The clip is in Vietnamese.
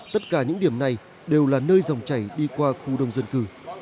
tất cả những điểm này đều là nơi dòng chảy đi qua khu đông dân cư